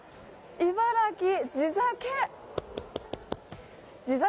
「茨城地酒」。